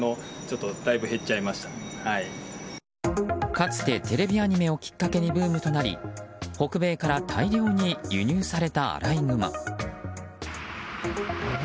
かつてテレビアニメをきっかけにブームとなり北米から大量に輸入されたアライグマ。